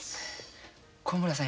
小村さん